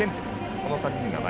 この３人が前。